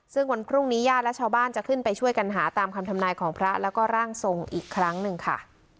ซึ่งวันพรุ่งนี้ญาติและชาวบ้านจะขึ้นไปช่วยกันหาตามคำทำนายของพระแล้วก็ร่างทรงอีกครั้งหนึ่งค่ะ